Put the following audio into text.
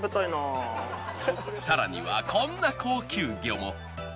更にはこんな高級魚も。